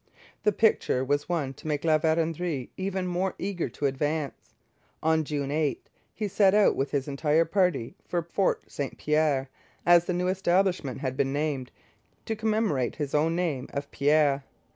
The picture was one to make La Vérendrye even more eager to advance. On June 8 he set out with his entire party for Fort St Pierre, as the new establishment had been named, to commemorate his own name of Pierre.